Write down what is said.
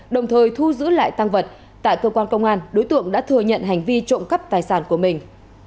đồng thời thu giữ lại tăng vật tại cơ quan công an đối tượng đã thừa nhận hành vi trộm cắp tài sản của mình